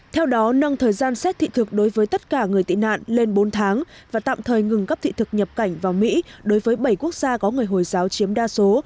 theo đó nâng thời gian xét thị thực đối với tất cả người tị nạn lên bốn tháng và tạm thời ngừng cấp thị thực nhập cảnh vào mỹ đối với bảy quốc gia có người hồi giáo chiếm đa số